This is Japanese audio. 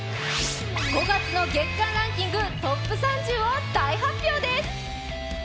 ５月の月間ランキングトップ３０を大発表です！